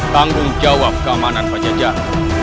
tanggung jawab keamanan panjajah